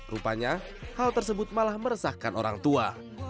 rupanya hal tersebut malah meresahkan orang tua